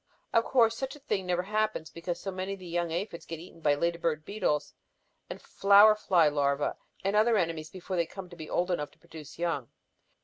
Of course such a thing never happens, because so many of the young aphids get eaten by lady bird beetles and flower fly larvæ and other enemies before they come to be old enough to produce young.